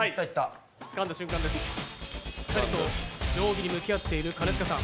しっかりと定規に向き合っている兼近さん。